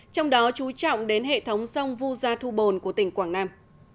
trong đó chú trọng đến hệ thống sông vu gia thu bồn của tỉnh quảng nam